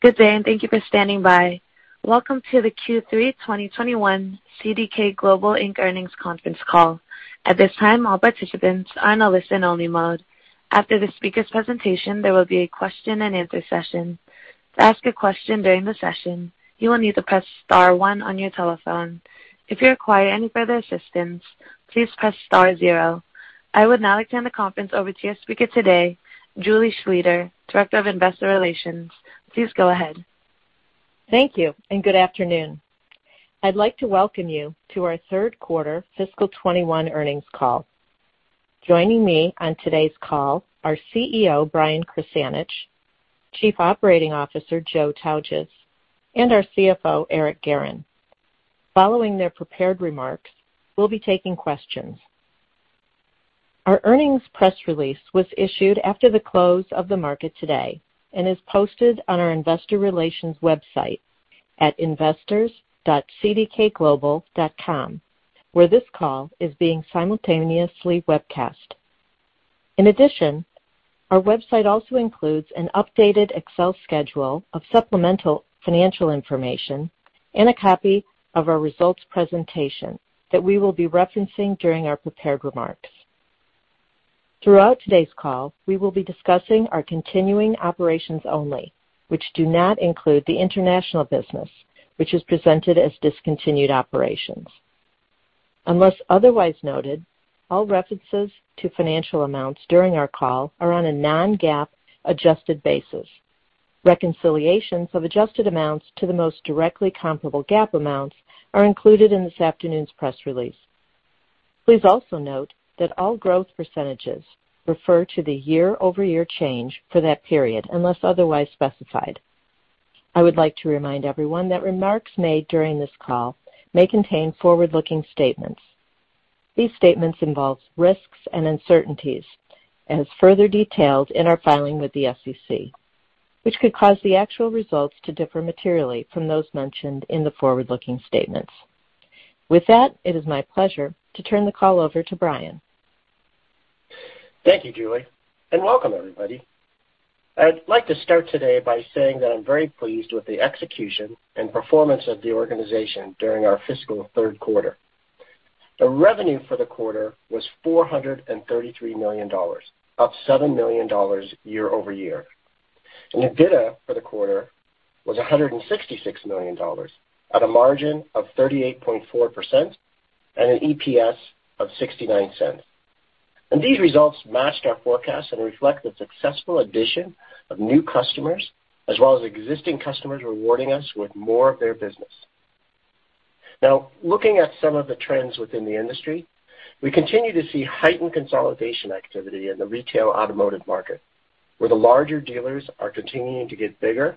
Good day, and thank you for standing by. Welcome to the Q3 2021 CDK Global, Inc. earnings conference call. At this time all participants are in a listen only mode after the speakers presentation, there will be a question and answer session. To ask a question during the session. You will need to press star one on your telephone. If you require any further assistance, please press star zero. I would now hand the conference over to your speaker today, Julie Schlueter, Director of Investor Relations. Please go ahead. Thank you and good afternoon. I'd like to welcome you to our third quarter fiscal 2021 earnings call. Joining me on today's call are CEO, Brian Krzanich; Chief Operating Officer, Joe Tautges; and our CFO, Eric Guerin. Following their prepared remarks, we'll be taking questions. Our earnings press release was issued after the close of the market today and is posted on our investor relations website at investors.cdkglobal.com, where this call is being simultaneously webcast. In addition, our website also includes an updated Excel schedule of supplemental financial information and a copy of our results presentation that we will be referencing during our prepared remarks. Throughout today's call, we will be discussing our continuing operations only, which do not include the international business, which is presented as discontinued operations. Unless otherwise noted, all references to financial amounts during our call are on a non-GAAP adjusted basis. Reconciliations of adjusted amounts to the most directly comparable GAAP amounts are included in this afternoon's press release. Please also note that all growth percentages refer to the year-over-year change for that period, unless otherwise specified. I would like to remind everyone that remarks made during this call may contain forward-looking statements. These statements involve risks and uncertainties, as further detailed in our filing with the SEC, which could cause the actual results to differ materially from those mentioned in the forward-looking statements. With that, it is my pleasure to turn the call over to Brian. Thank you, Julie, and welcome everybody. I'd like to start today by saying that I'm very pleased with the execution and performance of the organization during our fiscal third quarter. The revenue for the quarter was $433 million, up $7 million year-over-year. EBITDA for the quarter was $166 million at a margin of 38.4% and an EPS of $0.69. These results matched our forecast and reflect the successful addition of new customers, as well as existing customers rewarding us with more of their business. Now, looking at some of the trends within the industry, we continue to see heightened consolidation activity in the retail automotive market, where the larger dealers are continuing to get bigger,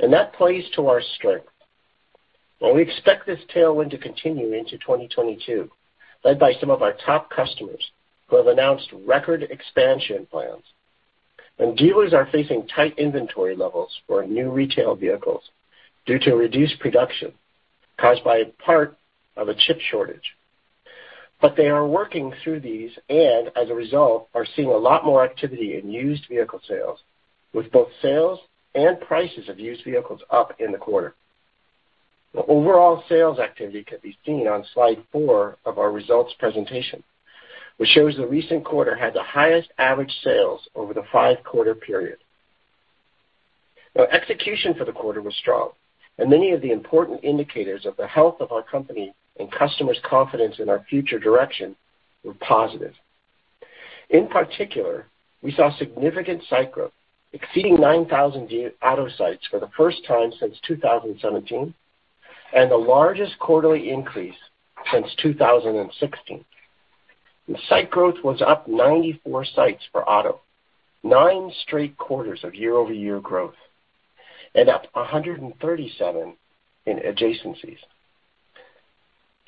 and that plays to our strength. We expect this tailwind to continue into 2022, led by some of our top customers who have announced record expansion plans. Dealers are facing tight inventory levels for new retail vehicles due to reduced production caused by part of a chip shortage. They are working through these and, as a result, are seeing a lot more activity in used vehicle sales, with both sales and prices of used vehicles up in the quarter. The overall sales activity can be seen on slide four of our results presentation, which shows the recent quarter had the highest average sales over the five-quarter period. Execution for the quarter was strong, and many of the important indicators of the health of our company and customers' confidence in our future direction were positive. In particular, we saw significant site growth, exceeding 9,000 auto sites for the first time since 2017, and the largest quarterly increase since 2016. The site growth was up 94 sites for auto, nine straight quarters of year-over-year growth, and up 137 in adjacencies.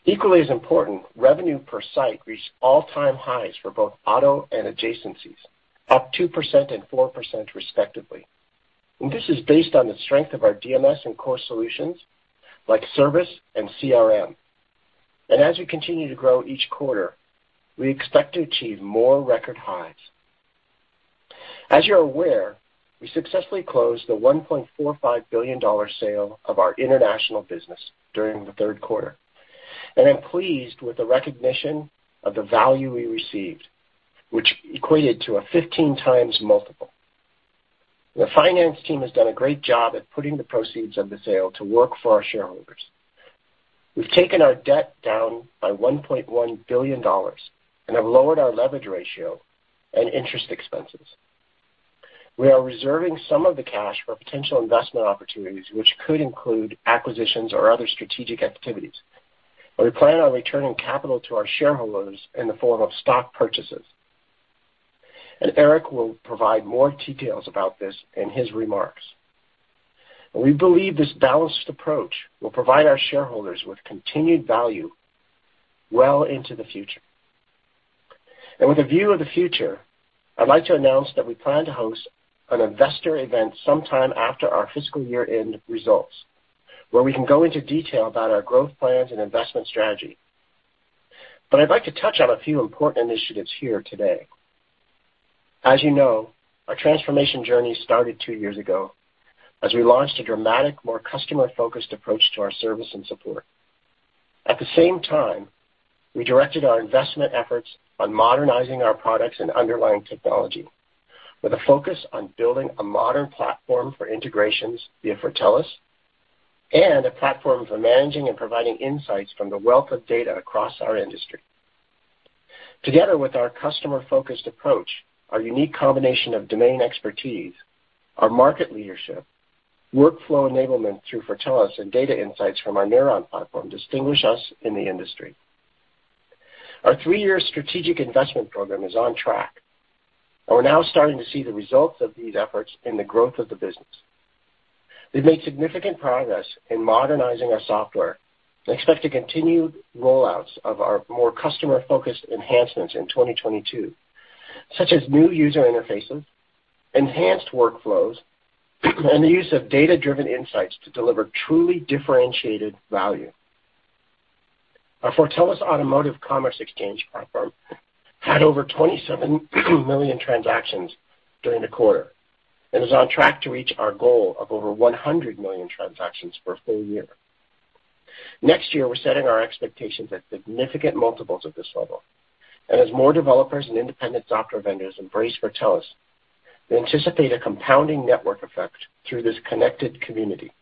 Equally as important, revenue per site reached all-time highs for both auto and adjacencies, up 2% and 4% respectively. This is based on the strength of our DMS and core solutions like service and CRM. As we continue to grow each quarter, we expect to achieve more record highs. As you're aware, we successfully closed the $1.45 billion sale of our international business during Q3, and I'm pleased with the recognition of the value we received, which equated to a 15x multiple. The finance team has done a great job at putting the proceeds of the sale to work for our shareholders. We've taken our debt down by $1.1 billion and have lowered our leverage ratio and interest expenses. We are reserving some of the cash for potential investment opportunities, which could include acquisitions or other strategic activities, but we plan on returning capital to our shareholders in the form of stock purchases. Eric Guerin will provide more details about this in his remarks. We believe this balanced approach will provide our shareholders with continued value well into the future. With a view of the future, I'd like to announce that we plan to host an investor event sometime after our fiscal year-end results, where we can go into detail about our growth plans and investment strategy. I'd like to touch on a few important initiatives here today. As you know, our transformation journey started two years ago as we launched a dramatic, more customer-focused approach to our service and support. At the same time, we directed our investment efforts on modernizing our products and underlying technology with a focus on building a modern platform for integrations via Fortellis and a platform for managing and providing insights from the wealth of data across our industry. Together with our customer-focused approach, our unique combination of domain expertise, our market leadership, workflow enablement through Fortellis, and data insights from our Neuron platform distinguish us in the industry. Our three-year strategic investment program is on track, and we're now starting to see the results of these efforts in the growth of the business. We've made significant progress in modernizing our software and expect to continue rollouts of our more customer-focused enhancements in 2022, such as new user interfaces, enhanced workflows, and the use of data-driven insights to deliver truly differentiated value. Our Fortellis Automotive Commerce Exchange platform had over 27 million transactions during the quarter and is on track to reach our goal of over 100 million transactions for a full year. Next year, we're setting our expectations at significant multiples of this level. As more developers and independent software vendors embrace Fortellis, we anticipate a compounding network effect through this connected community.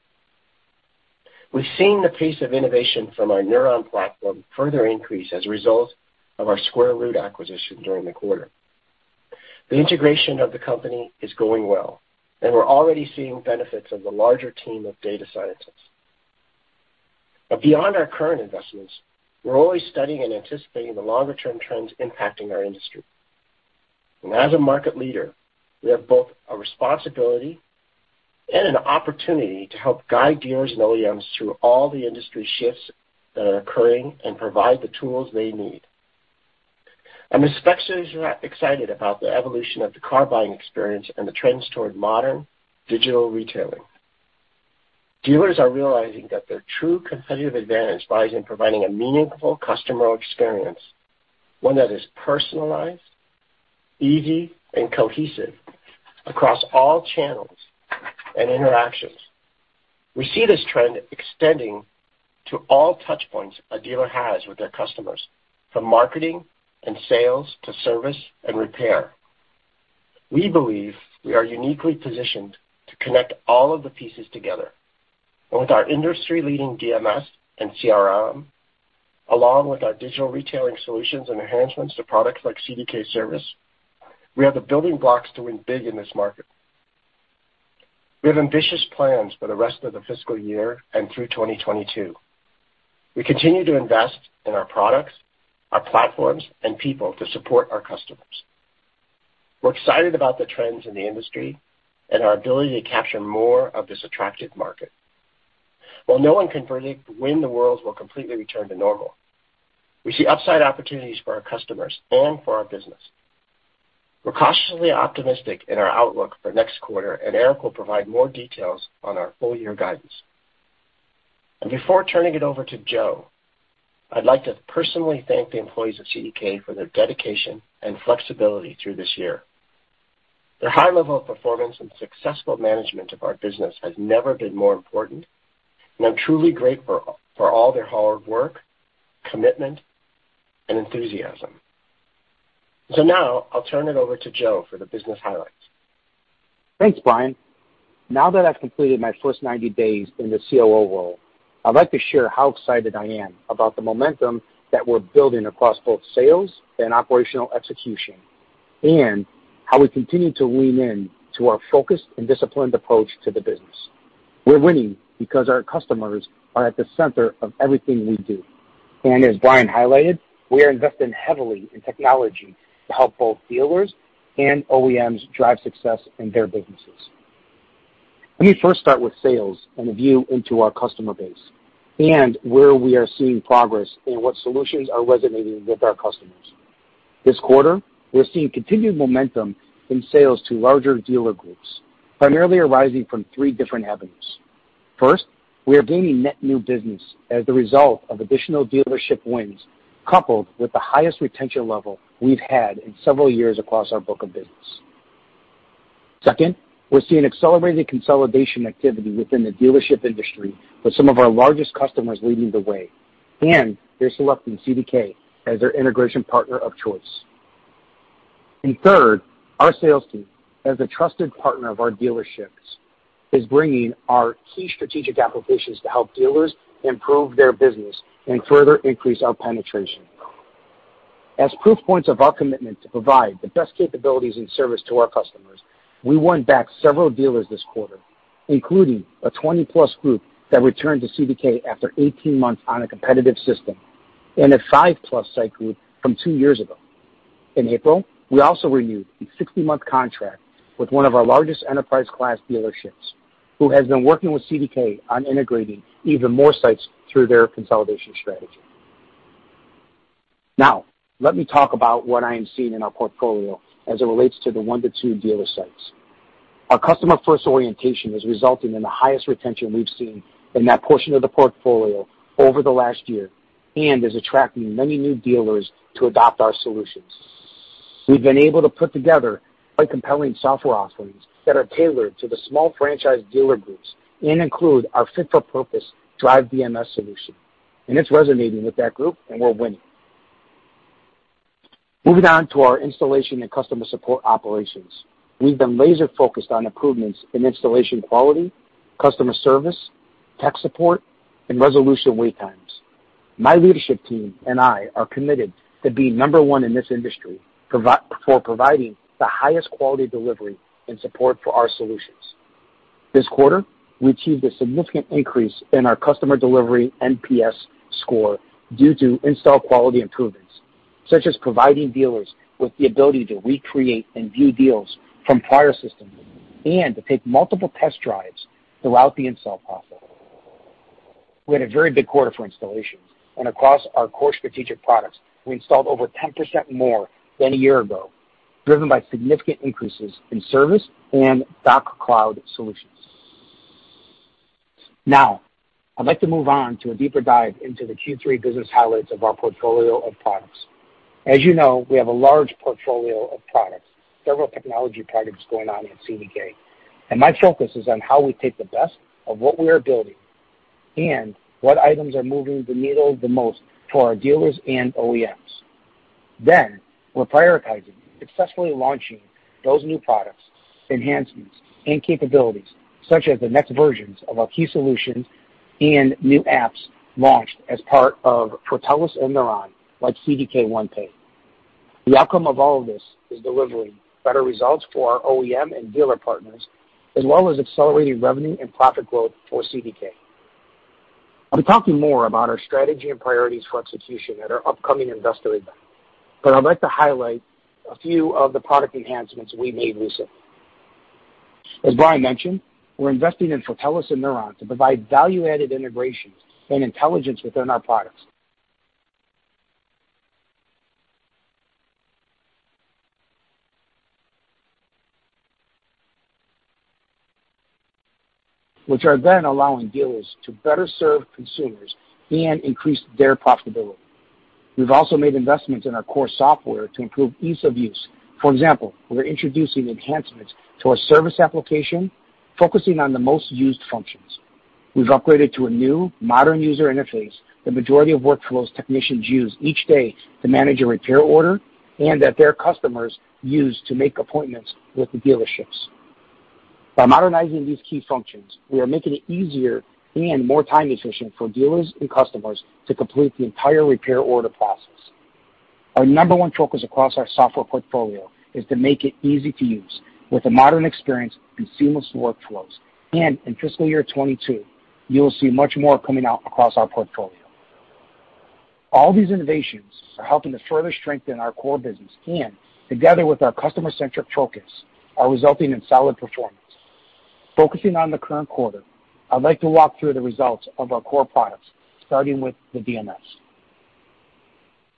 We've seen the pace of innovation from our Neuron platform further increase as a result of our Square Root acquisition during the quarter. The integration of the company is going well, and we're already seeing benefits of the larger team of data scientists. Beyond our current investments, we're always studying and anticipating the longer-term trends impacting our industry. As a market leader, we have both a responsibility and an opportunity to help guide dealers and OEMs through all the industry shifts that are occurring and provide the tools they need. I'm especially excited about the evolution of the car-buying experience and the trends toward modern digital retailing. Dealers are realizing that their true competitive advantage lies in providing a meaningful customer experience, one that is personalized, easy, and cohesive across all channels and interactions. We see this trend extending to all touchpoints a dealer has with their customers, from marketing and sales to service and repair. We believe we are uniquely positioned to connect all of the pieces together. With our industry-leading DMS and CRM, along with our digital retailing solutions and enhancements to products like CDK Service, we have the building blocks to win big in this market. We have ambitious plans for the rest of the fiscal year and through 2022. We continue to invest in our products, our platforms, and people to support our customers. We're excited about the trends in the industry and our ability to capture more of this attractive market. While no one can predict when the world will completely return to normal, we see upside opportunities for our customers and for our business. We're cautiously optimistic in our outlook for next quarter, and Eric will provide more details on our full-year guidance. Before turning it over to Joe, I'd like to personally thank the employees of CDK for their dedication and flexibility through this year. Their high level of performance and successful management of our business has never been more important, and I'm truly grateful for all their hard work, commitment, and enthusiasm. Now I'll turn it over to Joe for the business highlights. Thanks, Brian. Now that I've completed my first 90 days in the COO role, I'd like to share how excited I am about the momentum that we're building across both sales and operational execution and how we continue to lean in to our focused and disciplined approach to the business. As Brian highlighted, we are investing heavily in technology to help both dealers and OEMs drive success in their businesses. Let me first start with sales and a view into our customer base and where we are seeing progress and what solutions are resonating with our customers. This quarter, we're seeing continued momentum in sales to larger dealer groups, primarily arising from three different avenues. First, we are gaining net new business as the result of additional dealership wins, coupled with the highest retention level we've had in several years across our book of business. Second, we're seeing accelerated consolidation activity within the dealership industry with some of our largest customers leading the way, they're selecting CDK as their integration partner of choice. Third, our sales team, as a trusted partner of our dealerships, is bringing our key strategic applications to help dealers improve their business and further increase our penetration. As proof points of our commitment to provide the best capabilities and service to our customers, we won back several dealers this quarter, including a 20+ group that returned to CDK after 18 months on a competitive system and a five-plus site group from two years ago. In April, we also renewed a 60-month contract with one of our largest enterprise-class dealerships who has been working with CDK on integrating even more sites through their consolidation strategy. Let me talk about what I am seeing in our portfolio as it relates to the one to two dealer sites. Our customer-first orientation is resulting in the highest retention we've seen in that portion of the portfolio over the last year and is attracting many new dealers to adopt our solutions. We've been able to put together a compelling software offerings that are tailored to the small franchise dealer groups and include our fit-for-purpose DRIVE DMS solution, and it's resonating with that group, and we're winning. Moving on to our installation and customer support operations. We've been laser-focused on improvements in installation quality, customer service, tech support, and resolution wait times. My leadership team and I are committed to being number one in this industry for providing the highest quality delivery and support for our solutions. This quarter, we achieved a significant increase in our customer delivery NPS score due to install quality improvements, such as providing dealers with the ability to recreate and view deals from prior systems and to take multiple test drives throughout the install process. We had a very big quarter for installations, and across our core strategic products, we installed over 10% more than a year ago, driven by significant increases in service and Doc Cloud solutions. Now, I'd like to move on to a deeper dive into the Q3 business highlights of our portfolio of products. As you know, we have a large portfolio of products, several technology products going on in CDK. My focus is on how we take the best of what we are building and what items are moving the needle the most for our dealers and OEMs. We're prioritizing successfully launching those new products, enhancements, and capabilities, such as the next versions of our key solutions and new apps launched as part of Fortellis and Neuron, like CDK OnePay. The outcome of all of this is delivering better results for our OEM and dealer partners, as well as accelerating revenue and profit growth for CDK. I'll be talking more about our strategy and priorities for execution at our upcoming investor event. I'd like to highlight a few of the product enhancements we made recently. As Brian mentioned, we're investing in Fortellis and Neuron to provide value-added integrations and intelligence within our products, which are then allowing dealers to better serve consumers and increase their profitability. We've also made investments in our core software to improve ease of use. We're introducing enhancements to our service application, focusing on the most used functions. We've upgraded to a new modern user interface, the majority of workflows technicians use each day to manage a repair order, and that their customers use to make appointments with the dealerships. By modernizing these key functions, we are making it easier and more time-efficient for dealers and customers to complete the entire repair order process. Our number one focus across our software portfolio is to make it easy to use with a modern experience and seamless workflows. In fiscal year 2022, you will see much more coming out across our portfolio. All these innovations are helping to further strengthen our core business and together with our customer-centric focus, are resulting in solid performance. Focusing on the current quarter, I'd like to walk through the results of our core products, starting with the DMS.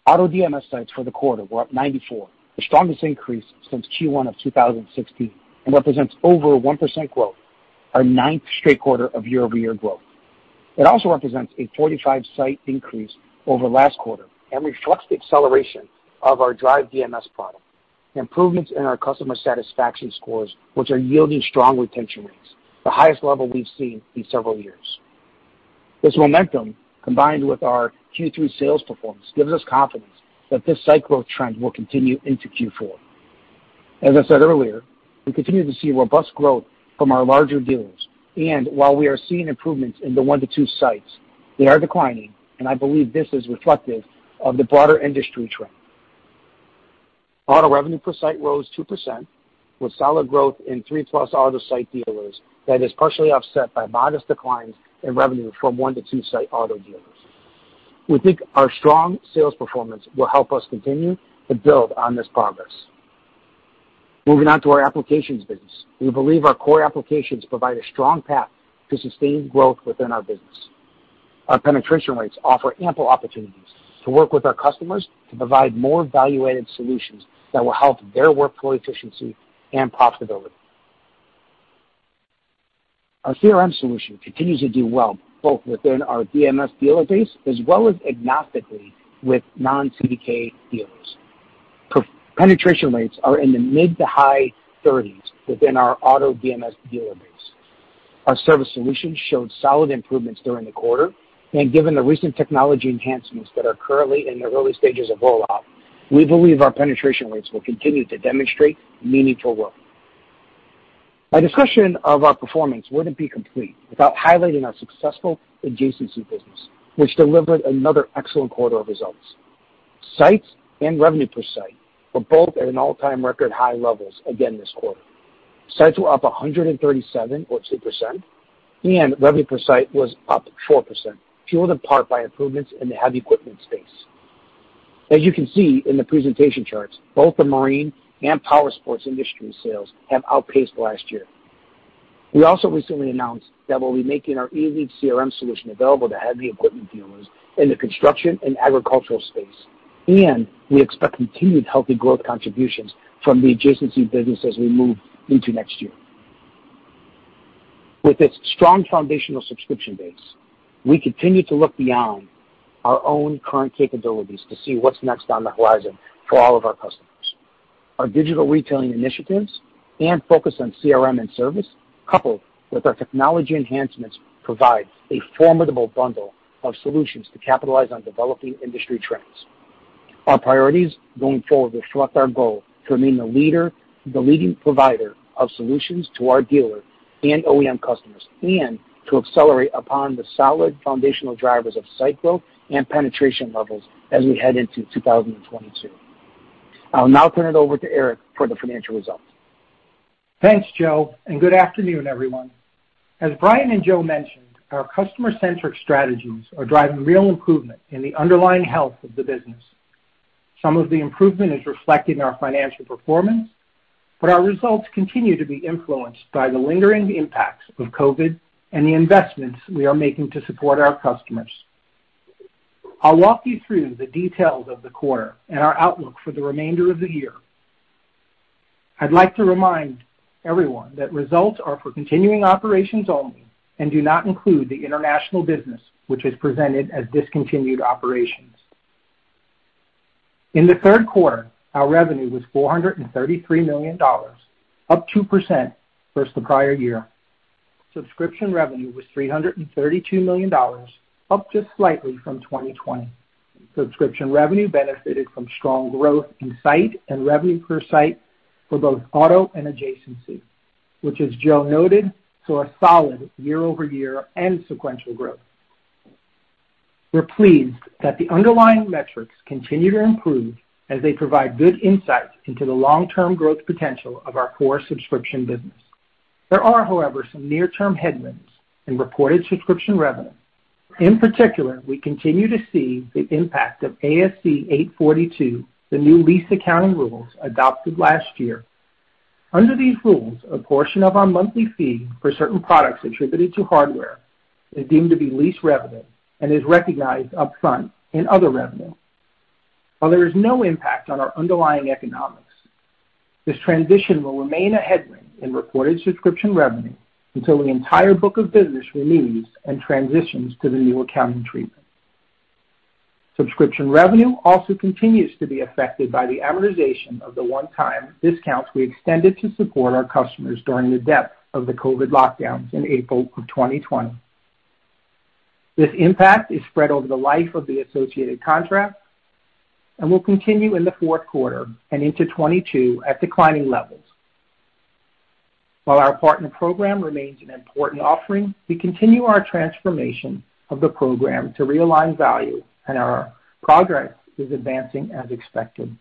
Auto DMS sites for the quarter were up 94, the strongest increase since Q1 of 2016 and represents over 1% growth, our ninth straight quarter of year-over-year growth. It also represents a 45 site increase over last quarter and reflects the acceleration of our DRIVE DMS product, improvements in our customer satisfaction scores, which are yielding strong retention rates, the highest level we've seen in several years. This momentum, combined with our Q3 sales performance, gives us confidence that this site growth trend will continue into Q4. As I said earlier, we continue to see robust growth from our larger dealers, and while we are seeing improvements in the one to two sites, they are declining, and I believe this is reflective of the broader industry trend. Auto revenue per site rose 2%, with solid growth in three-plus auto site dealers that is partially offset by modest declines in revenue from one to two site auto dealers. We think our strong sales performance will help us continue to build on this progress. Moving on to our applications business. We believe our core applications provide a strong path to sustained growth within our business. Our penetration rates offer ample opportunities to work with our customers to provide more value-added solutions that will help their workflow efficiency and profitability. Our CRM solution continues to do well, both within our DMS dealer base as well as agnostically with non-CDK dealers. Penetration rates are in the mid to high 30%s within our auto DMS dealer base. Our service solution showed solid improvements during the quarter, and given the recent technology enhancements that are currently in the early stages of rollout, we believe our penetration rates will continue to demonstrate meaningful growth. My discussion of our performance wouldn't be complete without highlighting our successful adjacency business, which delivered another excellent quarter of results. Sites and revenue per site were both at an all-time record high levels again this quarter. Sites were up 137 or 2%, and revenue per site was up 4%, fueled in part by improvements in the heavy equipment space. As you can see in the presentation charts, both the marine and powersports industry sales have outpaced last year. We also recently announced that we'll be making our Elead CRM solution available to heavy equipment dealers in the construction and agricultural space, and we expect continued healthy growth contributions from the adjacency business as we move into next year. With this strong foundational subscription base, we continue to look beyond our own current capabilities to see what's next on the horizon for all of our customers. Our digital retailing initiatives and focus on CRM and service, coupled with our technology enhancements, provide a formidable bundle of solutions to capitalize on developing industry trends. Our priorities going forward reflect our goal to remain the leading provider of solutions to our dealer and OEM customers, and to accelerate upon the solid foundational drivers of site growth and penetration levels as we head into 2022. I'll now turn it over to Eric for the financial results. Thanks, Joe. Good afternoon, everyone. As Brian and Joe mentioned, our customer-centric strategies are driving real improvement in the underlying health of the business. Some of the improvement is reflected in our financial performance. Our results continue to be influenced by the lingering impacts of COVID and the investments we are making to support our customers. I'll walk you through the details of the quarter and our outlook for the remainder of the year. I'd like to remind everyone that results are for continuing operations only and do not include the international business, which is presented as discontinued operations. In the third quarter, our revenue was $433 million, up 2% versus the prior year. Subscription revenue was $332 million, up just slightly from 2020. Subscription revenue benefited from strong growth in site and revenue per site for both auto and adjacency, which, as Joe noted, saw a solid year-over-year and sequential growth. We're pleased that the underlying metrics continue to improve as they provide good insight into the long-term growth potential of our core subscription business. There are, however, some near-term headwinds in reported subscription revenue. In particular, we continue to see the impact of ASC 842, the new lease accounting rules adopted last year. Under these rules, a portion of our monthly fee for certain products attributed to hardware is deemed to be lease revenue and is recognized upfront in other revenue. While there is no impact on our underlying economics, this transition will remain a headwind in reported subscription revenue until the entire book of business renews and transitions to the new accounting treatment. Subscription revenue also continues to be affected by the amortization of the one-time discounts we extended to support our customers during the depth of the COVID lockdowns in April of 2020. This impact is spread over the life of the associated contract and will continue in the fourth quarter and into 2022 at declining levels. While our partner program remains an important offering, we continue our transformation of the program to realign value, and our progress is advancing as expected.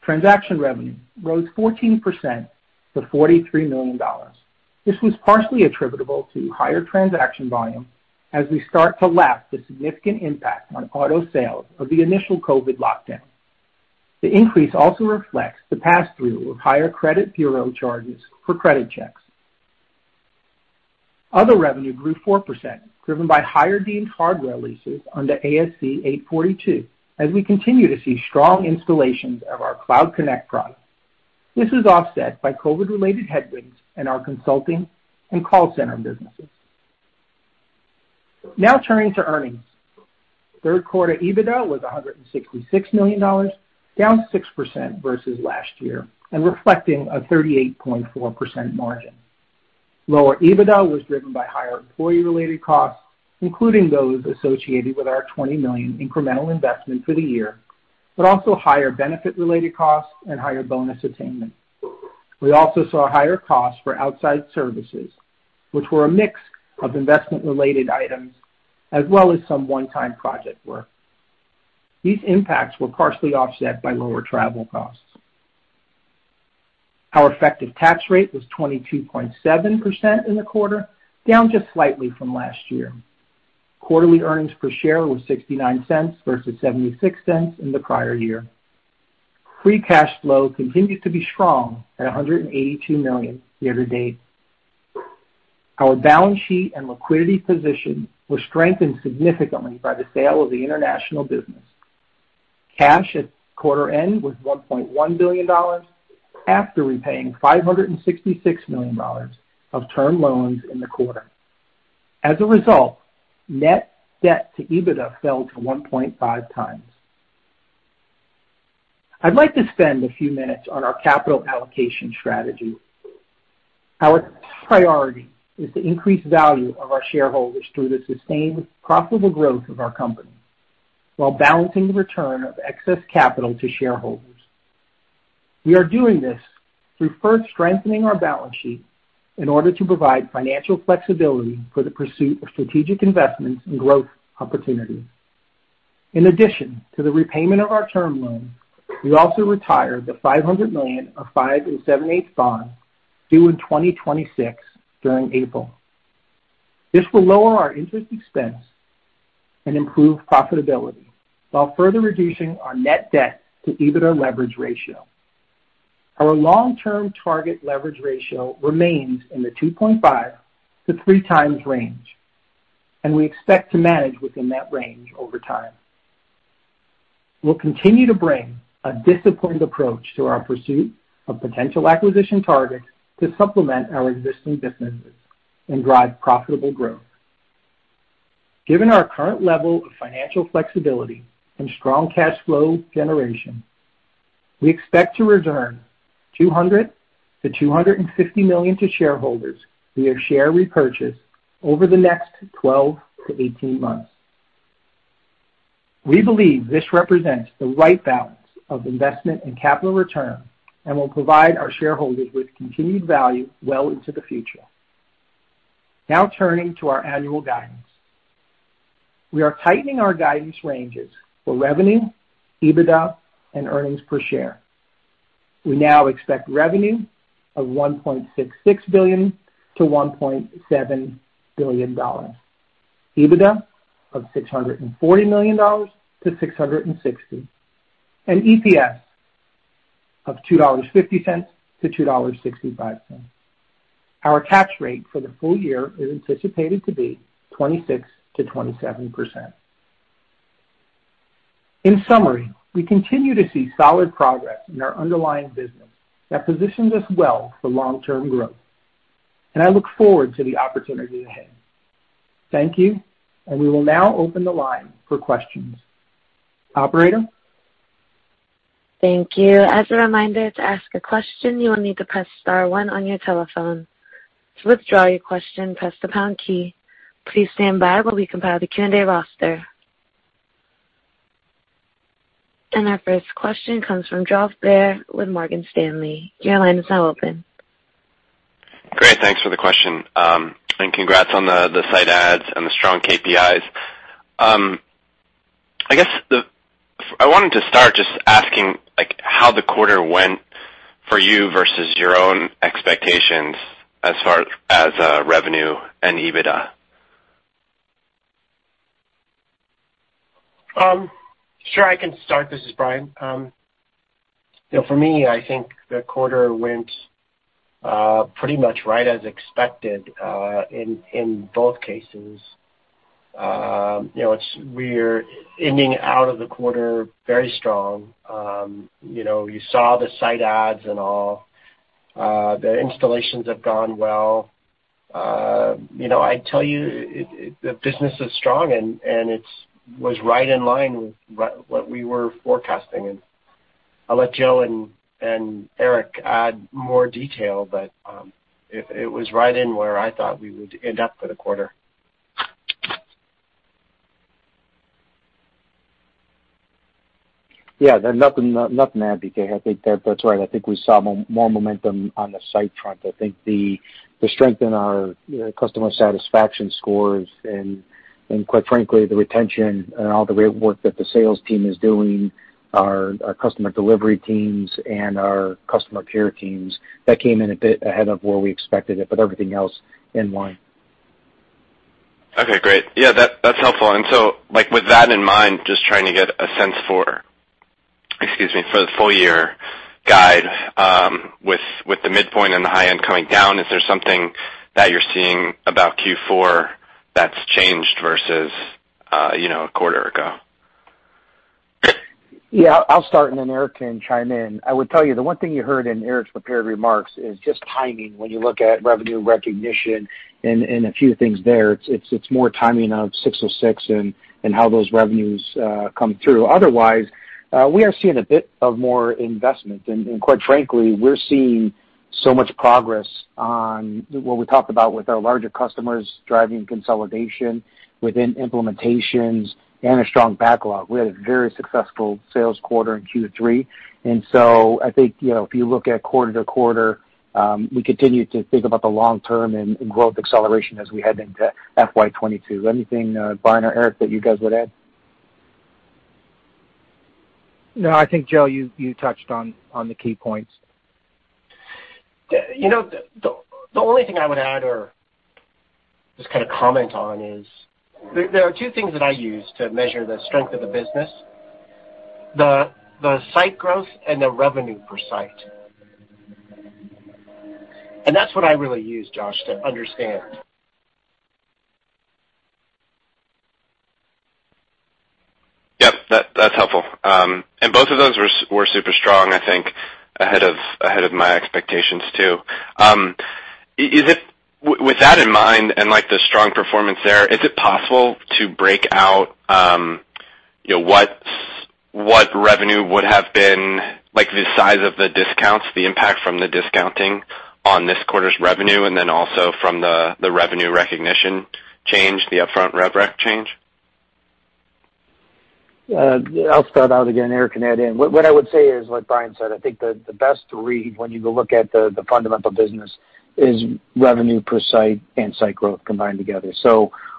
Transaction revenue rose 14% to $43 million. This was partially attributable to higher transaction volume as we start to lap the significant impact on auto sales of the initial COVID lockdown. The increase also reflects the passthrough of higher credit bureau charges for credit checks. Other revenue grew 4%, driven by higher deemed hardware leases under ASC 842, as we continue to see strong installations of our Cloud Connect product. This was offset by COVID-related headwinds in our consulting and call center businesses. Turning to earnings. Third quarter EBITDA was $166 million, down 6% versus last year and reflecting a 38.4% margin. Lower EBITDA was driven by higher employee-related costs, including those associated with our $20 million incremental investment for the year, but also higher benefit-related costs and higher bonus attainment. We also saw higher costs for outside services, which were a mix of investment-related items, as well as some one-time project work. These impacts were partially offset by lower travel costs. Our effective tax rate was 22.7% in the quarter, down just slightly from last year. Quarterly earnings per share was $0.69 versus $0.76 in the prior year. Free cash flow continued to be strong at $182 million year to date. Our balance sheet and liquidity position were strengthened significantly by the sale of the international business. Cash at quarter end was $1.1 billion after repaying $566 million of term loans in the quarter. As a result, net debt to EBITDA fell to 1.5x. I'd like to spend a few minutes on our capital allocation strategy. Our priority is to increase value of our shareholders through the sustained profitable growth of our company while balancing the return of excess capital to shareholders. We are doing this through first strengthening our balance sheet in order to provide financial flexibility for the pursuit of strategic investments and growth opportunities. In addition to the repayment of our term loan, we also retired the $500 million of 5 7/8 bonds due in 2026 during April. This will lower our interest expense and improve profitability while further reducing our net debt to EBITDA leverage ratio. Our long-term target leverage ratio remains in the 2.5-3x range, and we expect to manage within that range over time. We'll continue to bring a disciplined approach to our pursuit of potential acquisition targets to supplement our existing businesses and drive profitable growth. Given our current level of financial flexibility and strong cash flow generation, we expect to return $200 million-$250 million to shareholders via share repurchase over the next 12-18 months. We believe this represents the right balance of investment and capital return and will provide our shareholders with continued value well into the future. Turning to our annual guidance. We are tightening our guidance ranges for revenue, EBITDA, and earnings per share. We now expect revenue of $1.66 billion-$1.7 billion, EBITDA of $640 million-$660 million, and EPS of $2.50-$2.65. Our tax rate for the full year is anticipated to be 26%-27%. In summary, we continue to see solid progress in our underlying business that positions us well for long-term growth, and I look forward to the opportunities ahead. Thank you, and we will now open the line for questions. Operator? Thank you. As a reminder, to ask a question, you will need to press star one on your telephone. To withdraw your question, press the pound key. Please stand by while we compile the Q&A roster. Our first question comes from Josh Baer with Morgan Stanley. Your line is now open. Great. Thanks for the question. Congrats on the site adds and the strong KPIs. I guess I wanted to start just asking how the quarter went for you versus your own expectations as far as revenue and EBITDA. Sure, I can start. This is Brian. For me, I think the quarter went pretty much right as expected in both cases. We're ending out of the quarter very strong. You saw the site adds and all. The installations have gone well. I'd tell you the business is strong, and it was right in line with what we were forecasting. I'll let Joe and Eric add more detail, but it was right in where I thought we would end up for the quarter. Yeah. Nothing to add because I think that's right. I think we saw more momentum on the site front. I think the strength in our customer satisfaction scores and quite frankly, the retention and all the great work that the sales team is doing, our customer delivery teams, and our customer care teams, that came in a bit ahead of where we expected it, but everything else in line. Okay, great. Yeah, that's helpful. With that in mind, just trying to get a sense for, excuse me, for the full year guide with the midpoint and the high end coming down, is there something that you're seeing about Q4 that's changed versus a quarter ago? Yeah, I'll start, then Eric can chime in. I would tell you the one thing you heard in Eric's prepared remarks is just timing when you look at revenue recognition and a few things there. It's more timing of ASC 606 and how those revenues come through. Otherwise, we are seeing a bit of more investment. Quite frankly, we're seeing so much progress on what we talked about with our larger customers driving consolidation within implementations and a strong backlog. We had a very successful sales quarter in Q3, and so I think if you look at quarter to quarter, we continue to think about the long term and growth acceleration as we head into FY 2022. Anything, Brian or Eric, that you guys would add? I think, Joe, you touched on the key points. The only thing I would add or just comment on is there are two things that I use to measure the strength of the business, the site growth and the revenue per site. That's what I really use, Josh, to understand. Yep, that's helpful. Both of those were super strong, I think ahead of my expectations, too. With that in mind and the strong performance there, is it possible to break out what revenue would have been, like the size of the discounts, the impact from the discounting on this quarter's revenue, and then also from the revenue recognition change, the upfront rev rec change? I'll start out again. Eric can add in. What I would say is, like Brian said, I think the best read when you look at the fundamental business is revenue per site and site growth combined together.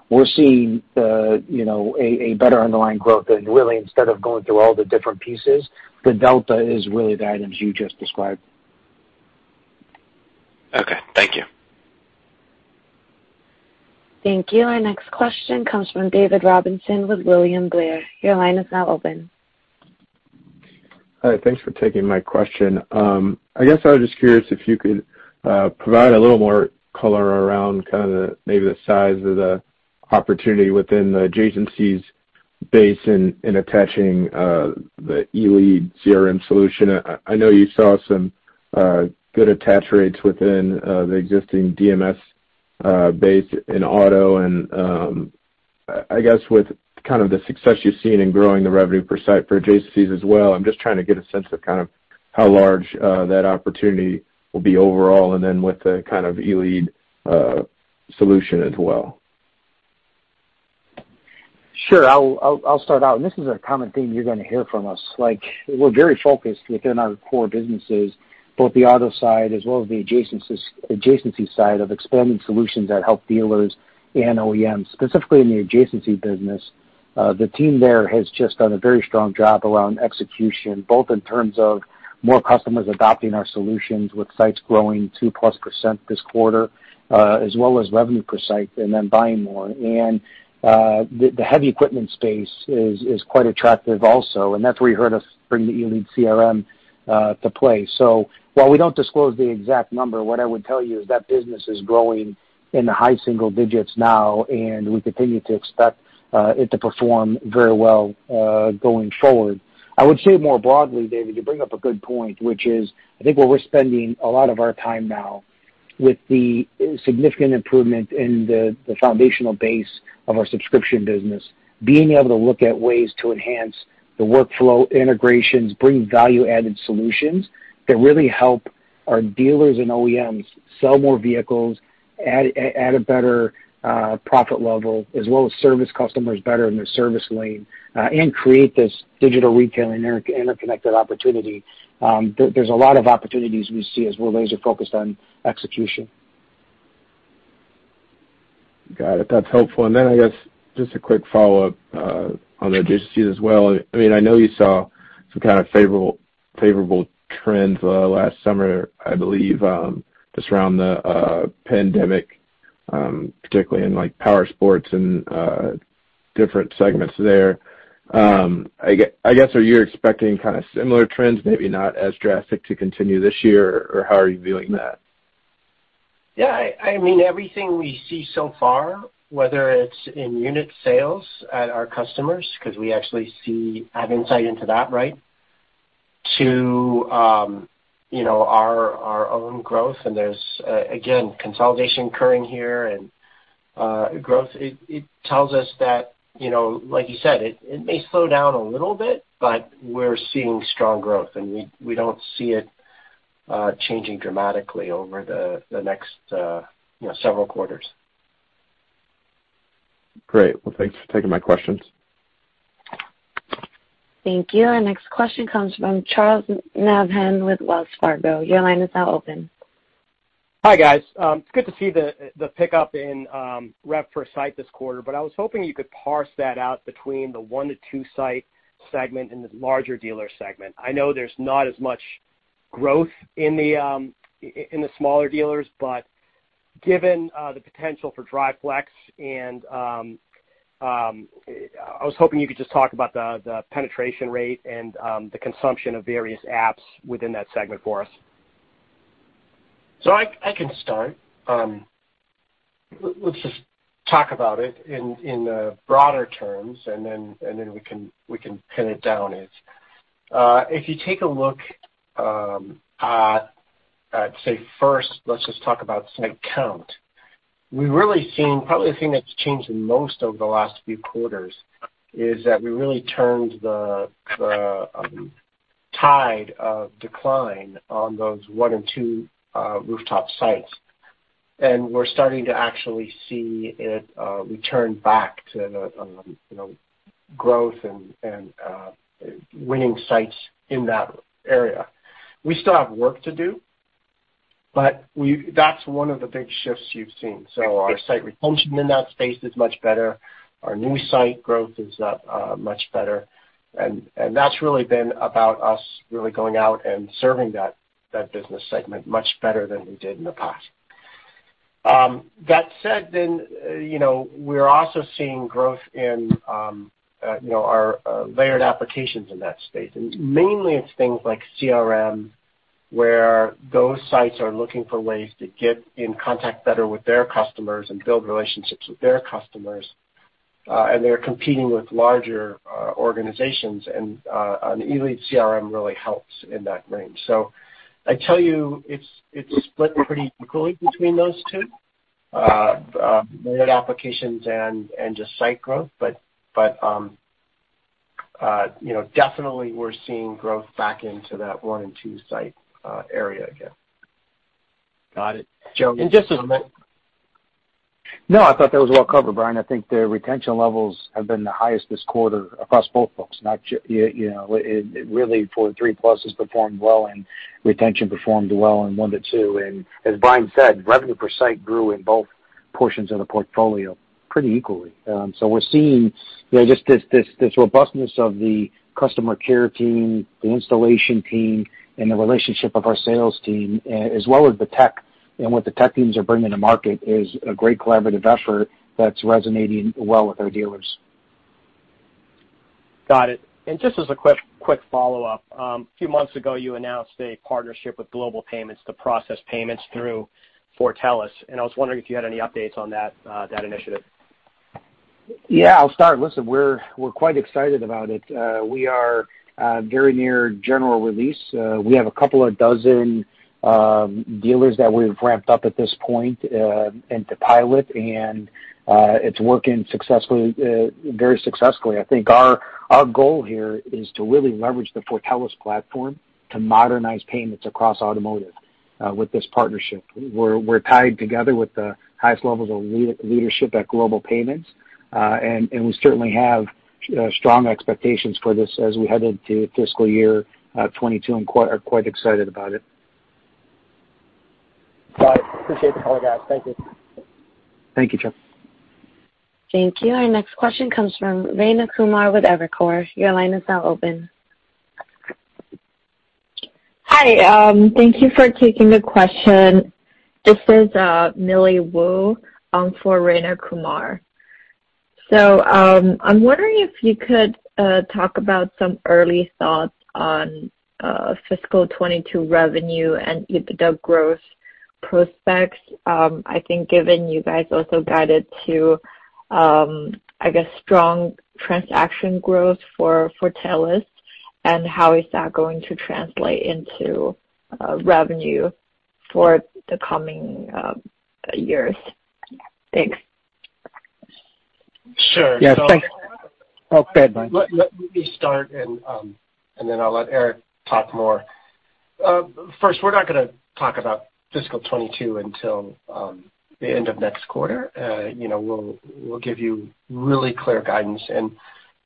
We're seeing a better underlying growth, and really, instead of going through all the different pieces, the delta is really the items you just described. Okay. Thank you. Thank you. Our next question comes from David Robinson with William Blair. Your line is now open. Hi. Thanks for taking my question. I guess I was just curious if you could provide a little more color around kind of maybe the size of the opportunity within the adjacencies base in attaching the Elead CRM solution. I know you saw some good attach rates within the existing DMS base in auto and, I guess with kind of the success you've seen in growing the revenue per site for adjacencies as well, I'm just trying to get a sense of kind of how large that opportunity will be overall and then with the kind of Elead solution as well. Sure. I'll start out, and this is a common theme you're going to hear from us. We're very focused within our core businesses, both the auto side as well as the adjacencies side of expanding solutions that help dealers and OEMs. Specifically in the adjacency business, the team there has just done a very strong job around execution, both in terms of more customers adopting our solutions with sites growing 2%+ this quarter, as well as revenue per site and then buying more. The heavy equipment space is quite attractive also, and that's where you heard us bring the Elead CRM to play. While we don't disclose the exact number, what I would tell you is that business is growing in the high single digits now, and we continue to expect it to perform very well going forward. I would say more broadly, David, you bring up a good point, which is I think where we're spending a lot of our time now with the significant improvement in the foundational base of our subscription business, being able to look at ways to enhance the workflow integrations, bring value-added solutions that really help our dealers and OEMs sell more vehicles at a better profit level, as well as service customers better in their service lane, and create this digital retailing interconnected opportunity. There's a lot of opportunities we see as well. Laser-focused on execution. Got it. That's helpful. Then I guess just a quick follow-up on the adjacencies as well. I know you saw some kind of favorable trends last summer, I believe, just around the pandemic, particularly in power sports and different segments there. I guess, are you expecting kind of similar trends, maybe not as drastic to continue this year, or how are you viewing that? Yeah. Everything we see so far, whether it's in unit sales at our customers, because we actually have insight into that, to our own growth, and there's, again, consolidation occurring here and growth. It tells us that, like you said, it may slow down a little bit, but we're seeing strong growth, and we don't see it changing dramatically over the next several quarters. Great. Well, thanks for taking my questions. Thank you. Our next question comes from Charles Nabhan with Wells Fargo. Your line is now open. Hi, guys. It's good to see the pickup in rev per site this quarter, but I was hoping you could parse that out between the one to two site segment and the larger dealer segment. I know there's not as much growth in the smaller dealers, but given the potential for Drive Flex, I was hoping you could just talk about the penetration rate and the consumption of various apps within that segment for us. I can start. Let's just talk about it in broader terms, and then we can pin it down. If you take a look at, say first, let's just talk about site count. Probably the thing that's changed the most over the last few quarters is that we really turned the tide of decline on those one and two rooftop sites. We're starting to actually see it return back to growth and winning sites in that area. We still have work to do, but that's one of the big shifts you've seen. Our site retention in that space is much better. Our new site growth is much better. That's really been about us really going out and serving that business segment much better than we did in the past. That said, we're also seeing growth in our layered applications in that space. Mainly it's things like CRM, where those sites are looking for ways to get in contact better with their customers and build relationships with their customers. They're competing with larger organizations, and Elead CRM really helps in that range. I tell you, it's split pretty equally between those two, layered applications and just site growth. Definitely we're seeing growth back into that one and two site area again. Got it. No, I thought that was well covered, Brian. I think the retention levels have been the highest this quarter across both books. Really for three plus has performed well and retention performed well in one to two. As Brian said, revenue per site grew in both portions of the portfolio pretty equally. We're seeing just this robustness of the customer care team, the installation team, and the relationship of our sales team, as well as the tech, and what the tech teams are bringing to market is a great collaborative effort that's resonating well with our dealers. Got it. Just as a quick follow-up. A few months ago, you announced a partnership with Global Payments to process payments through Fortellis, and I was wondering if you had any updates on that initiative. Yeah, I'll start. Listen, we're quite excited about it. We are very near general release. We have a couple of dozen dealers that we've ramped up at this point into pilot, and it's working very successfully. I think our goal here is to really leverage the Fortellis platform to modernize payments across automotive with this partnership. We're tied together with the highest levels of leadership at Global Payments, and we certainly have strong expectations for this as we head into fiscal year 2022, and are quite excited about it. Got it. Appreciate the color, guys. Thank you. Thank you, Charles. Thank you. Our next question comes from Rayna Kumar with Evercore. Your line is now open. Hi. Thank you for taking the question. This is Millie Wu for Rayna Kumar. I'm wondering if you could talk about some early thoughts on fiscal 2022 revenue and the growth prospects. I think given you guys also guided to, I guess, strong transaction growth for Fortellis, how is that going to translate into revenue for the coming years? Thanks. Sure. Yeah, thanks. Go ahead, Brian. Let me start, and then I'll let Eric talk more. First, we're not going to talk about fiscal 2022 until the end of next quarter. We'll give you really clear guidance.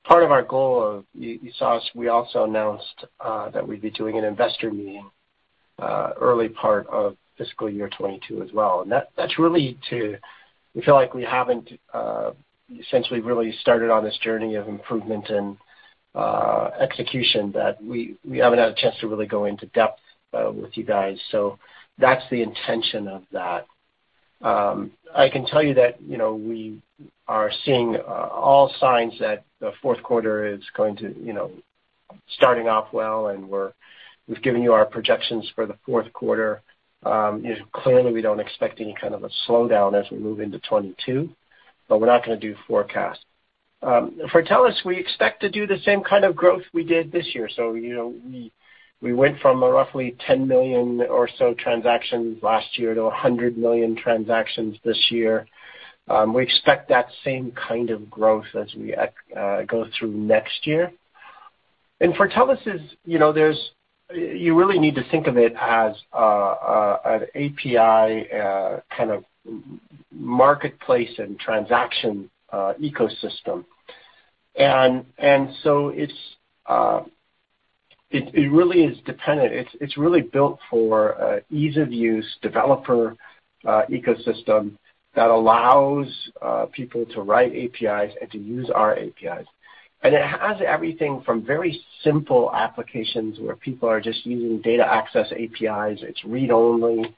Part of our goal of, you saw us, we also announced that we'd be doing an investor meeting early part of fiscal year 2022 as well. We feel like we haven't essentially really started on this journey of improvement and execution that we haven't had a chance to really go into depth with you guys. That's the intention of that. I can tell you that we are seeing all signs that the fourth quarter is going to starting off well, and we've given you our projections for the fourth quarter. Clearly we don't expect any kind of a slowdown as we move into 2022, but we're not going to do forecasts. Fortellis, we expect to do the same kind of growth we did this year. We went from a roughly 10 million or so transactions last year to 100 million transactions this year. We expect that same kind of growth as we go through next year. Fortellis is, you really need to think of it as an API kind of marketplace and transaction ecosystem. It really is dependent. It's really built for ease of use developer ecosystem that allows people to write APIs and to use our APIs. It has everything from very simple applications where people are just using data access APIs, it's read only.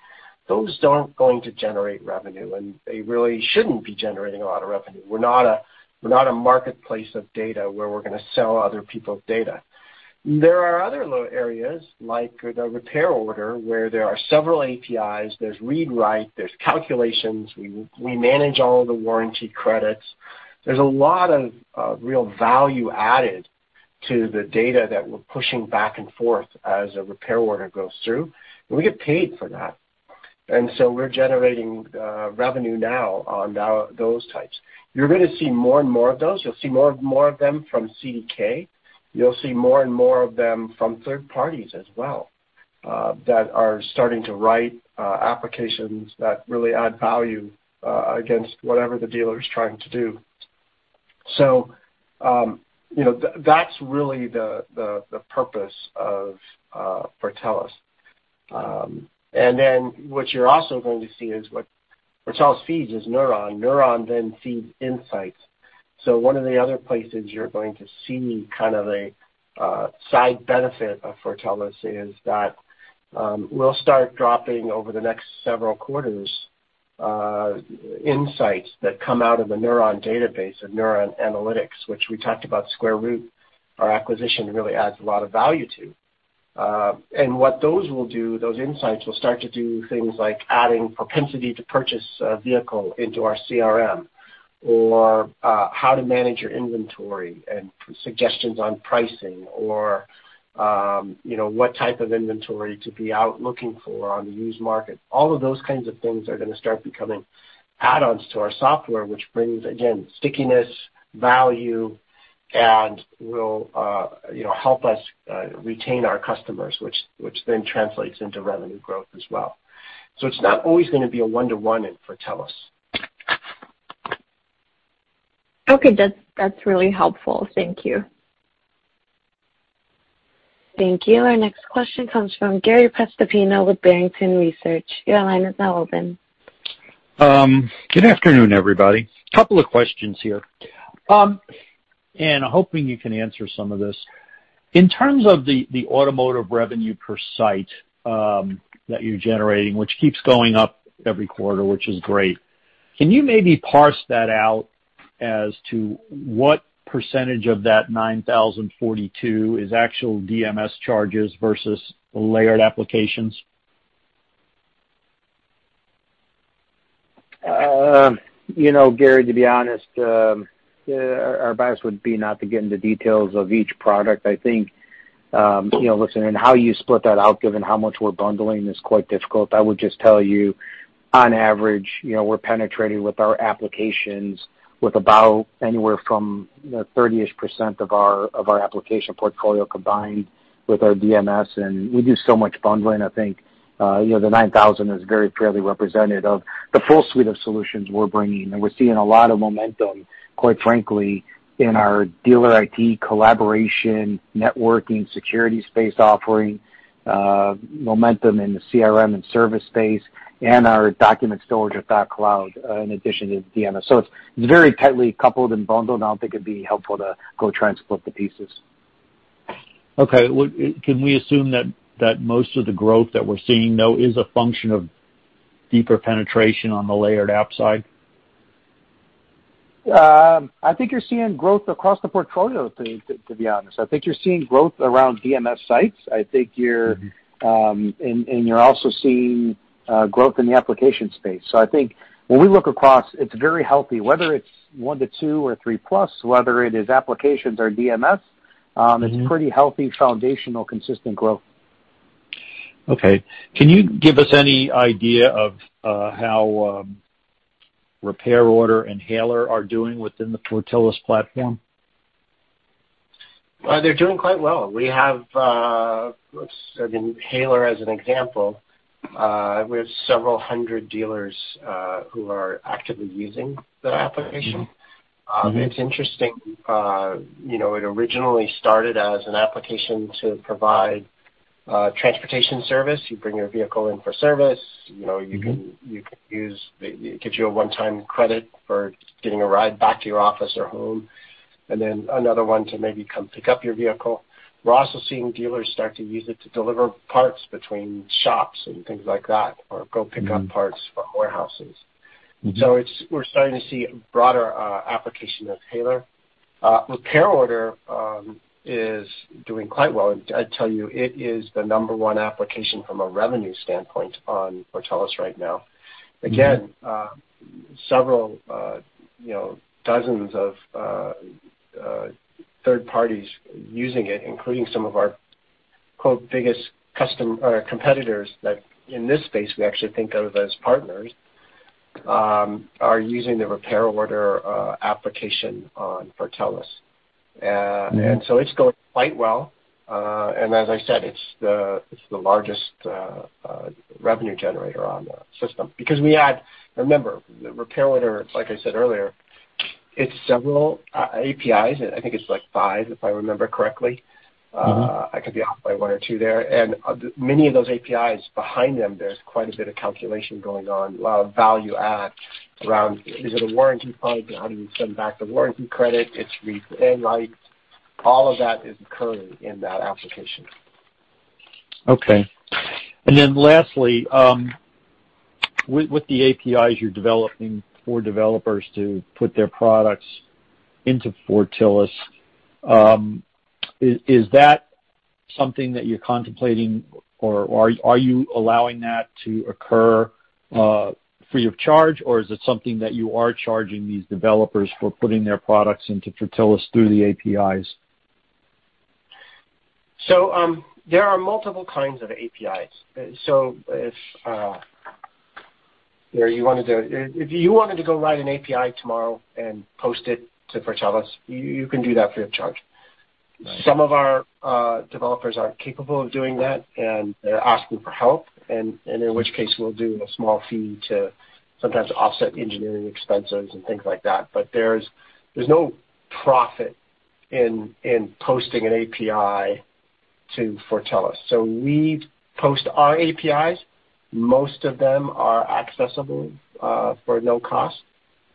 Those don't going to generate revenue, and they really shouldn't be generating a lot of revenue. We're not a marketplace of data where we're gonna sell other people's data. There are other little areas like the repair order where there are several APIs. There's read write, there's calculations. We manage all of the warranty credits. There's a lot of real value added to the data that we're pushing back and forth as a repair order goes through, and we get paid for that. We're generating revenue now on those types. You're gonna see more and more of those. You'll see more of them from CDK. You'll see more and more of them from third parties as well, that are starting to write applications that really add value against whatever the dealer is trying to do. That's really the purpose of Fortellis. What you're also going to see is what Fortellis feeds is Neuron. Neuron then feeds insights. One of the other places you're going to see kind of a side benefit of Fortellis is that we'll start dropping over the next several quarters insights that come out of the Neuron database of CDK Neuron, which we talked about Square Root, our acquisition really adds a lot of value to. What those will do, those insights will start to do things like adding propensity to purchase a vehicle into our CRM, or how to manage your inventory and suggestions on pricing, or what type of inventory to be out looking for on the used market. All of those kinds of things are gonna start becoming add-ons to our software, which brings, again, stickiness, value, and will help us retain our customers which then translates into revenue growth as well. It's not always gonna be a one-to-one in Fortellis. Okay. That's really helpful. Thank you. Thank you. Our next question comes from Gary Prestopino with Barrington Research. Your line is now open. Good afternoon, everybody. Couple of questions here, and I'm hoping you can answer some of this. In terms of the automotive revenue per site that you're generating, which keeps going up every quarter, which is great, can you maybe parse that out as to what percentage of that $9,042 is actual DMS charges versus layered applications? Gary, to be honest, our advice would be not to get into details of each product. I think, listen, and how you split that out, given how much we're bundling, is quite difficult. I would just tell you, on average, we're penetrating with our applications with about anywhere from 30-ish% of our application portfolio combined with our DMS. We do so much bundling, I think the 9,000 is very fairly representative of the full suite of solutions we're bringing. We're seeing a lot of momentum, quite frankly, in our dealer IT collaboration, networking, security space offering, momentum in the CRM and service space, and our document storage at Doc Cloud, in addition to DMS. It's very tightly coupled and bundled, and I don't think it'd be helpful to go try and split the pieces. Okay. Can we assume that most of the growth that we're seeing, though, is a function of deeper penetration on the layered app side? I think you're seeing growth across the portfolio, to be honest. I think you're seeing growth around DMS sites. I think you're also seeing growth in the application space. I think when we look across, it's very healthy. Whether it's one to two or three-plus, whether it is applications or DMS. It's pretty healthy, foundational, consistent growth. Okay. Can you give us any idea of how Repair Order and Hailer are doing within the Fortellis platform? They're doing quite well. I mean, Hailer as an example, we have several hundred dealers who are actively using the application. It's interesting. It originally started as an application to provide transportation service. You bring your vehicle in for service. It gives you a one-time credit for getting a ride back to your office or home, and then another one to maybe come pick up your vehicle. We're also seeing dealers start to use it to deliver parts between shops and things like that, or go pick up parts from warehouses. We're starting to see broader application of Hailer. Repair Order is doing quite well. I tell you, it is the number one application from a revenue standpoint on Fortellis right now. Several dozens of third parties using it, including some of our "biggest competitors" that in this space we actually think of as partners, are using the Repair Order application on Fortellis. It's going quite well. As I said, it's the largest revenue generator on the system. Because remember, Repair Order, like I said earlier, it's several APIs. I think it's five, if I remember correctly. I could be off by one or two there. Many of those APIs behind them, there's quite a bit of calculation going on, a lot of value add around, is it a warranty product? How do we send back the warranty credit? All of that is occurring in that application. Okay. Lastly, with the APIs you're developing for developers to put their products into Fortellis, is that something that you're contemplating, or are you allowing that to occur free of charge, or is it something that you are charging these developers for putting their products into Fortellis through the APIs? There are multiple kinds of APIs. If you wanted to go write an API tomorrow and post it to Fortellis, you can do that free of charge. Right. Some of our developers aren't capable of doing that, and they're asking for help, in which case, we'll do a small fee to sometimes offset engineering expenses and things like that. There's no profit in posting an API to Fortellis. We post our APIs. Most of them are accessible for no cost.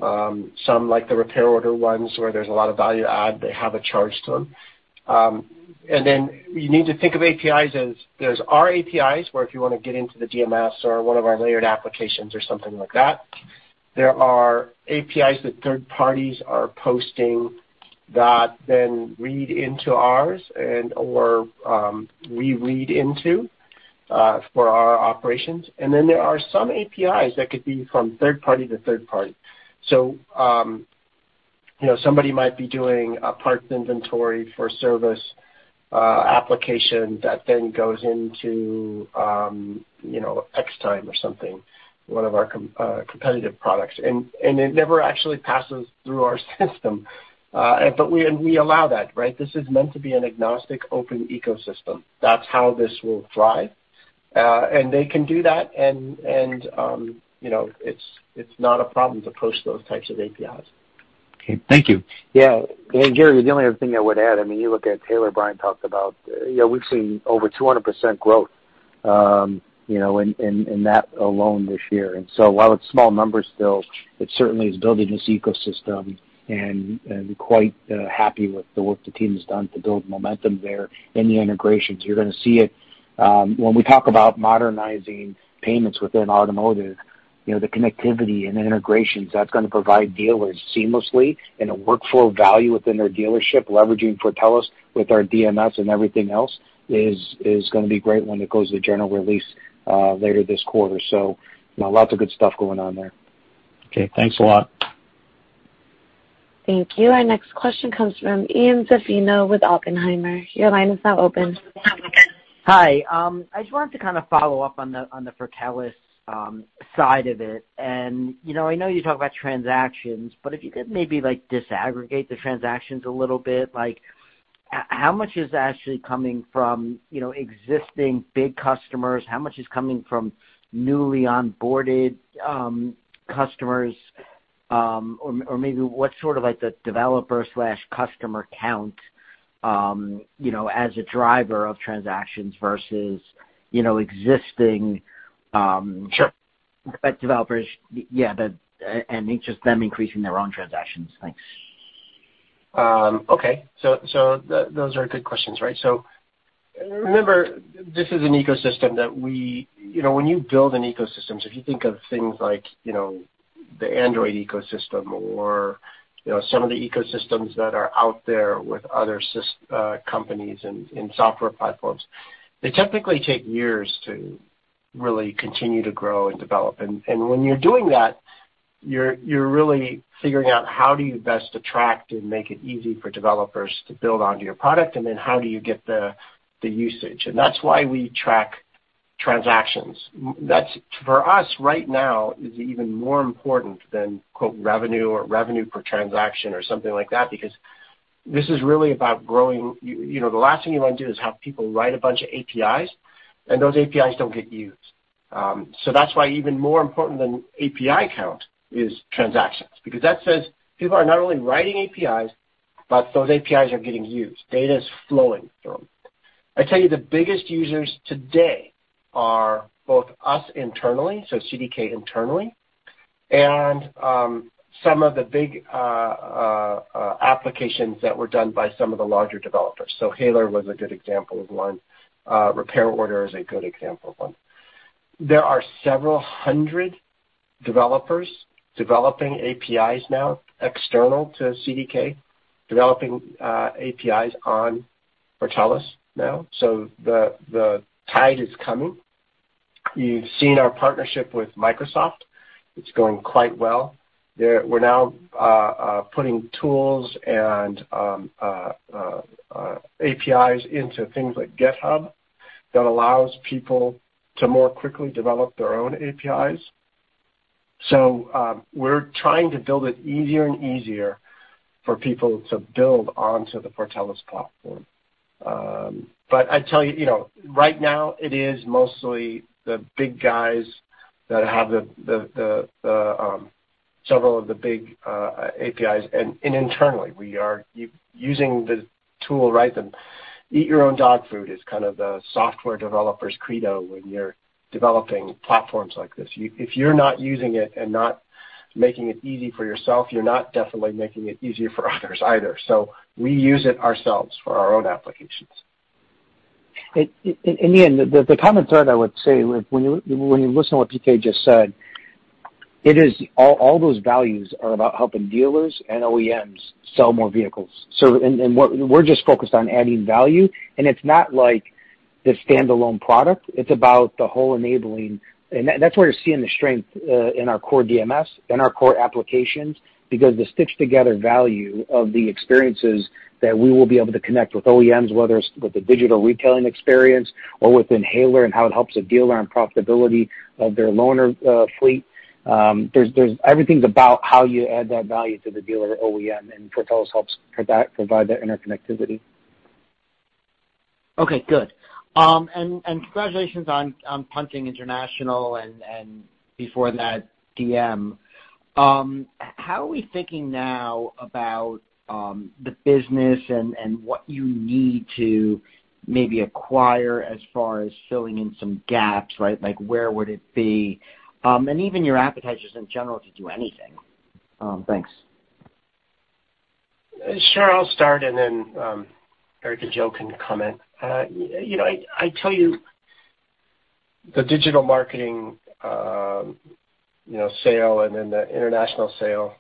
Some, like the Repair Order ones where there's a lot of value add, they have a charge to them. You need to think of APIs as there's our APIs, where if you want to get into the DMS or one of our layered applications or something like that. There are APIs that third parties are posting that then read into ours and/or we read into for our operations. There are some APIs that could be from third party to third party. Somebody might be doing a parts inventory for a service application that goes into Xtime or something, one of our competitive products, and it never actually passes through our system. We allow that, right? This is meant to be an agnostic, open ecosystem. That's how this will thrive. They can do that, and it's not a problem to post those types of APIs. Okay. Thank you. Gary, the only other thing I would add, you look at Hailer, Brian talked about, we've seen over 200% growth in that alone this year. While it's small numbers still, it certainly is building this ecosystem and quite happy with the work the team has done to build momentum there in the integrations. You're going to see it when we talk about modernizing payments within automotive, the connectivity and the integrations that's going to provide dealers seamlessly and a workflow value within their dealership, leveraging Fortellis with our DMS and everything else is going to be great when it goes to general release later this quarter. Lots of good stuff going on there. Okay. Thanks a lot. Thank you. Our next question comes from Ian Zaffino with Oppenheimer. Your line is now open. Hi. I just wanted to follow up on the Fortellis side of it. I know you talk about transactions, but if you could maybe disaggregate the transactions a little bit. How much is actually coming from existing big customers? How much is coming from newly onboarded customers? Maybe what's sort of the developer/customer count as a driver of transactions versus existing- developers, yeah, and just them increasing their own transactions. Thanks. Those are good questions, right? Remember, this is an ecosystem that we when you build an ecosystem, if you think of things like the Android ecosystem or some of the ecosystems that are out there with other companies and software platforms, they typically take years to really continue to grow and develop. When you're doing that, you're really figuring out how do you best attract and make it easy for developers to build onto your product, how do you get the usage. That's why we track transactions. That for us right now is even more important than revenue or revenue per transaction or something like that, because this is really about growing. The last thing you want to do is have people write a bunch of APIs, those APIs don't get used. That's why even more important than API count is transactions. That says people are not only writing APIs, but those APIs are getting used. Data is flowing through them. I tell you the biggest users today are both us internally, so CDK internally, and some of the big applications that were done by some of the larger developers. Hailer was a good example of one. Repair Order is a good example of one. There are several hundred developers developing APIs now external to CDK, developing APIs on Fortellis now. The tide is coming. You've seen our partnership with Microsoft. It's going quite well. We're now putting tools and APIs into things like GitHub that allows people to more quickly develop their own APIs. We're trying to build it easier and easier for people to build onto the Fortellis platform. I tell you, right now it is mostly the big guys that have several of the big APIs. Internally, we are using the tool, right? The eat your own dog food is kind of the software developer's credo when you're developing platforms like this. If you're not using it and not making it easy for yourself, you're not definitely making it easier for others either. We use it ourselves for our own applications. Ian, the common thread I would say when you listen to what BK just said, all those values are about helping dealers and OEMs sell more vehicles. We're just focused on adding value, and it's not like the standalone product, it's about the whole enabling. That's where you're seeing the strength in our core DMS and our core applications because the stitched together value of the experiences that we will be able to connect with OEMs, whether it's with the digital retailing experience or within Hailer and how it helps a dealer on profitability of their loaner fleet. Everything's about how you add that value to the dealer or OEM, and Fortellis helps provide that interconnectivity. Okay. Good. Congratulations on (punting) international and before that DM. How are we thinking now about the business and what you need to maybe acquire as far as filling in some gaps, right? Like where would it be? Even your appetites just in general to do anything. Thanks. Sure. I'll start, and then Eric or Joe can comment. I tell you the digital marketing sale and then the international sale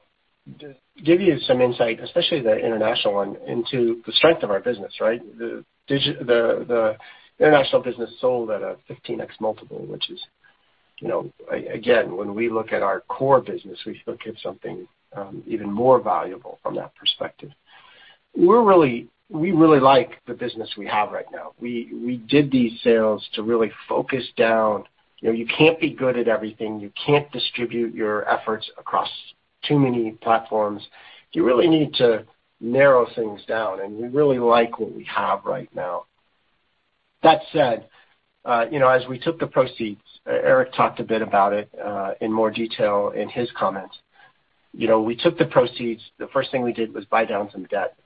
give you some insight, especially the international one, into the strength of our business, right? The international business sold at a 15x multiple, which is again, when we look at our core business, we look at something even more valuable from that perspective. We really like the business we have right now. We did these sales to really focus down. You can't be good at everything. You can't distribute your efforts across too many platforms. You really need to narrow things down, and we really like what we have right now. That said, as we took the proceeds, Eric talked a bit about it in more detail in his comments. We took the proceeds. The first thing we did was buy down some debt,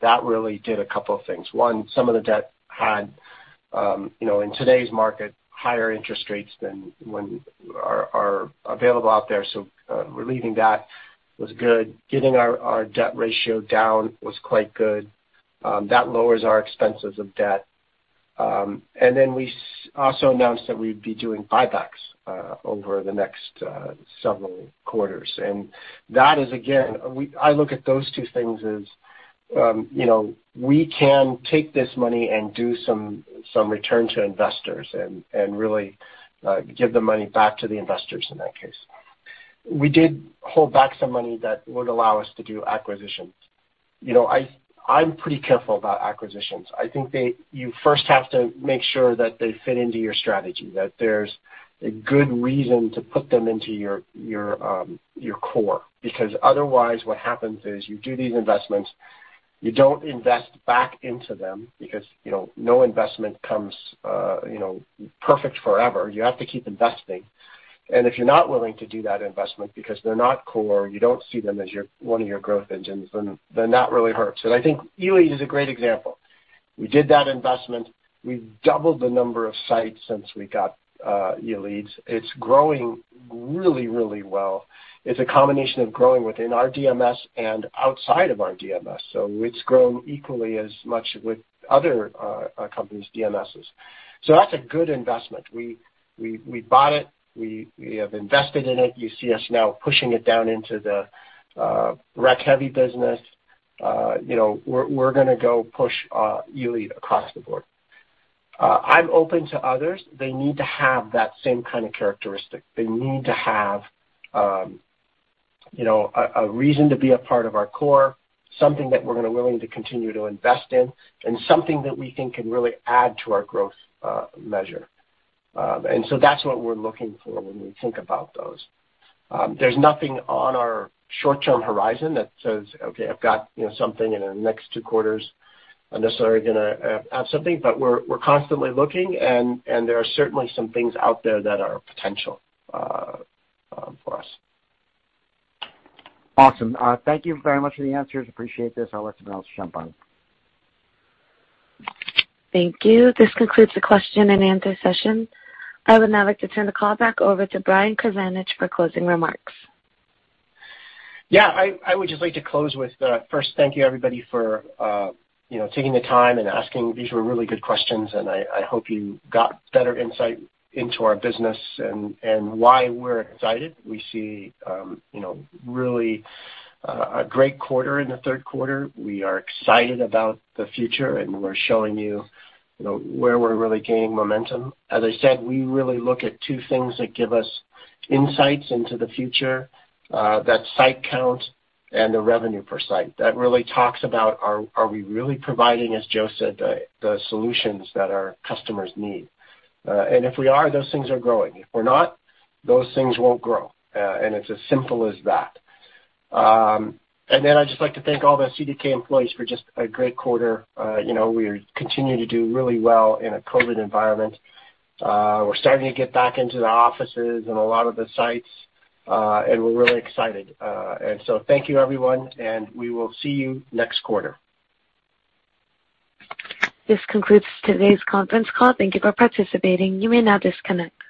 that really did a couple of things. One, some of the debt had, in today's market, higher interest rates than are available out there. Relieving that was good. Getting our debt ratio down was quite good. That lowers our expenses of debt. We also announced that we'd be doing buybacks over the next several quarters. That is, again, I look at those two things as we can take this money and do some return to investors and really give the money back to the investors in that case. We did hold back some money that would allow us to do acquisitions. I'm pretty careful about acquisitions. I think you first have to make sure that they fit into your strategy, that there's a good reason to put them into your core. Otherwise, what happens is you do these investments, you don't invest back into them because no investment comes perfect forever. You have to keep investing. If you're not willing to do that investment because they're not core, you don't see them as one of your growth engines, then that really hurts. I think Elead is a great example. We did that investment. We've doubled the number of sites since we got Elead. It's growing really, really well. It's a combination of growing within our DMS and outside of our DMS. It's grown equally as much with other companies' DMSs. That's a good investment. We bought it. We have invested in it. You see us now pushing it down into the Rec Heavy business. We're going to go push Elead across the board. I'm open to others. They need to have that same kind of characteristic. They need to have a reason to be a part of our core, something that we're going to willing to continue to invest in, and something that we think can really add to our growth measure. That's what we're looking for when we think about those. There's nothing on our short-term horizon that says, "Okay, I've got something in the next two quarters," necessarily going to have something, but we're constantly looking, and there are certainly some things out there that are potential for us. Awesome. Thank you very much for the answers. Appreciate this. I'll let someone else jump on. Thank you. This concludes the question and answer session. I would now like to turn the call back over to Brian Krzanich for closing remarks. I would just like to close with first thank you everybody for taking the time and asking. These were really good questions. I hope you got better insight into our business and why we're excited. We see really a great quarter in the third quarter. We are excited about the future. We're showing you where we're really gaining momentum. As I said, we really look at two things that give us insights into the future, that site count and the revenue per site. That really talks about are we really providing, as Joe said, the solutions that our customers need? If we are, those things are growing. If we're not, those things won't grow. It's as simple as that. I'd just like to thank all the CDK employees for just a great quarter. We continue to do really well in a COVID environment. We're starting to get back into the offices and a lot of the sites, we're really excited. Thank you, everyone, and we will see you next quarter. This concludes today's conference call. Thank you for participating. You may now disconnect.